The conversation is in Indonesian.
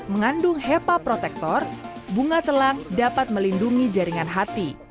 mengandung hepa protektor bunga telang dapat melindungi jaringan hati